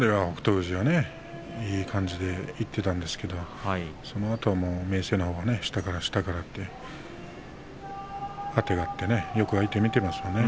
富士がいい感じでいっていたんですけどそのあとは明生のほうが下から下からいってあてがっていってよく相手を見ていますよね。